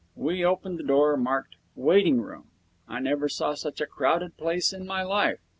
We opened the door marked 'Waiting Room'. I never saw such a crowded place in my life.